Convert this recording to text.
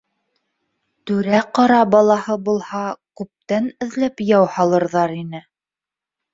Түрә-ҡара балаһы булһа, күптән эҙләп яу һалырҙар ине